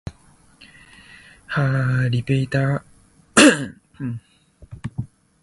Her repertoire was very large and varied.